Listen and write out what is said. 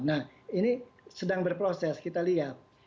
nah ini sedang berproses kita lihat